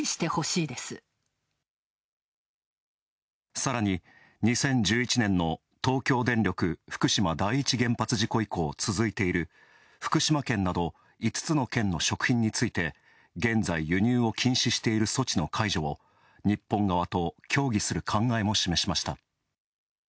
さらに、２０１１年の東京電力福島第一原発事故以降続いている福島県など５つの県の食品について現在、輸入を禁止している措置の解除を日本側と協議する考えも示しました。